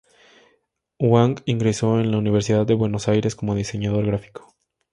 Huang ingresó en la Universidad de Buenos Aires como diseñador gráfico.